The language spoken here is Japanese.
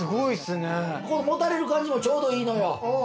この、もたれる感じもちょうどいいのよ。